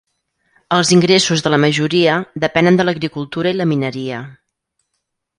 Els ingressos de la majoria depenen de l'agricultura i la mineria.